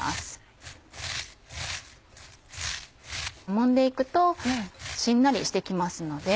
もんで行くとしんなりして来ますので